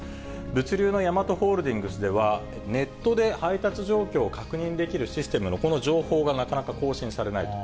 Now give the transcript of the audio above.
物流のヤマトホールディングスでは、ネットで配達状況を確認できるシステムのこの情報がなかなか更新されないと。